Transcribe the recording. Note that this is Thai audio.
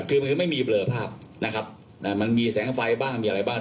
คือมันไม่มีเบลอภาพนะครับมันมีแสงไฟบ้างมีอะไรบ้าง